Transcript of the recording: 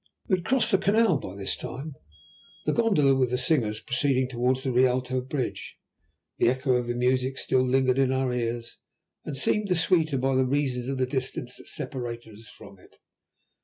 We had crossed the canal by this time; the gondola with the singers proceeding towards the Rialto bridge. The echo of the music still lingered in our ears, and seemed the sweeter by the reason of the distance that separated us from it.